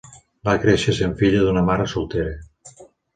Va créixer sent filla d’una mare soltera.